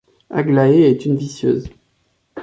Aglaé est une vicieuse.